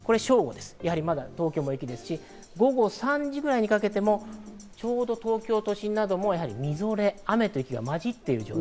こちら正午です、東京も雪ですし、午後３時くらいにかけても、ちょうど東京都心などもみぞれ、雨と雪が混じっている状態。